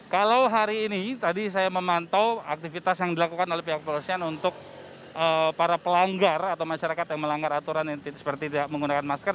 kalau hari ini tadi saya memantau aktivitas yang dilakukan oleh pihak kepolisian untuk para pelanggar atau masyarakat yang melanggar aturan seperti tidak menggunakan masker